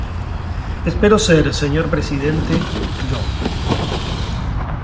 Espero ser, señor presidente, yo.